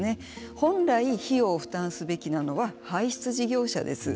本来、費用を負担すべきなのは排出事業者です。